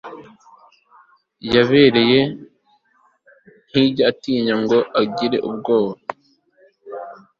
yabera ntijya itinya ngo igire ubwoba